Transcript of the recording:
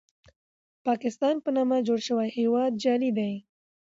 پاکستان په نامه جوړ شوی هېواد جعلي دی.